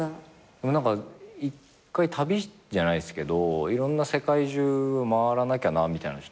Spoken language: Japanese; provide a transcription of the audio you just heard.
でも一回旅じゃないですけどいろんな世界中を回らなきゃなみたいに思ってます。